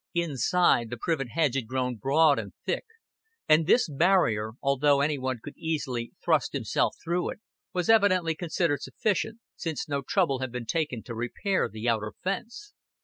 Inside, the privet hedge had grown broad and thick; and this barrier, although any one could easily thrust himself through it, was evidently considered sufficient, since no trouble had been taken to repair the outer fence.